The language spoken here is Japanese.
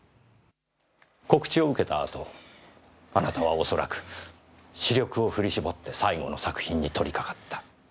告知を受けた後あなたは恐らく死力を振り絞って最後の作品に取りかかった。